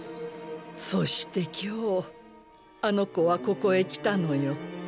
そして今日あの子はここへ来たのよ。